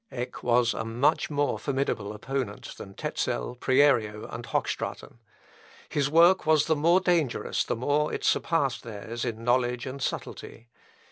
Eck was a much more formidable opponent than Tezel, Prierio, and Hochstraten; his work was the more dangerous the more it surpassed theirs in knowledge and subtlety.